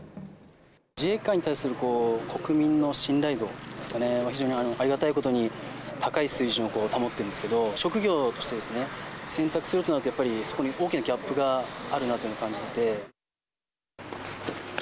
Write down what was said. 自衛官に対する国民の信頼度といいますかね、非常にありがたいことに高い水準を保ってるんですけど、職業として選択するとなると、やっぱりそこに大きなギャップがあるなというのを感じてて。